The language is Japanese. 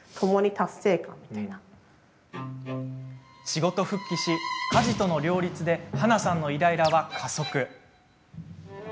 仕事復帰し、家事との両立ではなさんのイライラは加速。